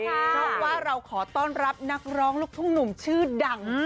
เพราะว่าเราขอต้อนรับนักร้องลูกทุ่งหนุ่มชื่อดัง